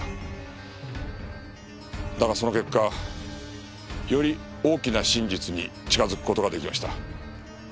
だがその結果より大きな真実に近づく事ができました。